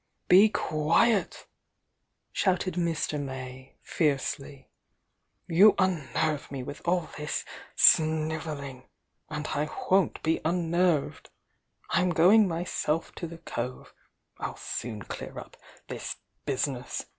"Be quiet!" shouted Mr. May fiercely. "You un nerve me with all this snivelling! — and I won't be unnerved! I'm going myself to the cove— I'll soon clear up this business!